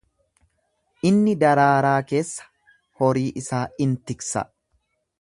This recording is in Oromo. inni daraaraa keessa horii isaa in tiksa.